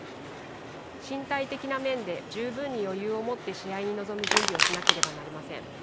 身体的な面で十分に余裕をもって試合に臨む準備をしなければなりません。